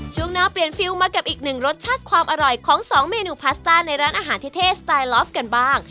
ช่วงหน้าเปลี่ยนฟิลมากับอีกหนึ่งรสชาติความอร่อยของ๒เมนูพาสต้าในร้านอาหารเท่สไตลอฟกันบ้าง